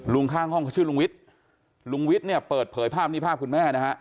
ลุงข้างห้องเขาชื่อลุงวิทย์ลุงวิทย์เปิดเผยภาพนี่ภาพคุณแม่